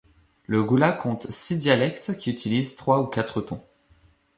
Le goula compte six dialectes qui utilisent trois ou quatre tons.